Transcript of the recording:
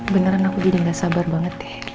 beneran aku jadi gak sabar banget deh